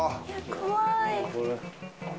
怖い。